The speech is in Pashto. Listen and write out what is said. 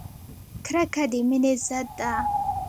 کرکه د مینې ضد ده!